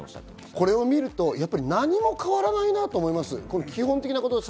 これを見ると、やっぱり何も変わらないなと思います。